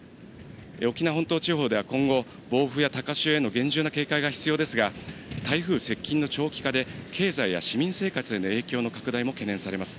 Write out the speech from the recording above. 沖縄本島地方では今後、暴風や高潮への厳重な警戒が必要ですが、台風接近の長期化で経済や市民生活への影響の拡大も懸念されます。